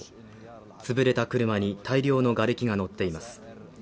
潰れた車に大量のがれきがのっています。